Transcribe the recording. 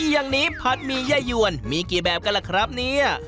อย่างนี้ผัดหมี่ยวนมีกี่แบบกันล่ะครับเนี่ย